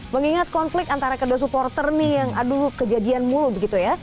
mengingat konflik antara kedua supporter nih yang aduh kejadian mulu begitu ya